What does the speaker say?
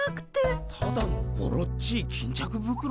ただのボロっちい巾着袋？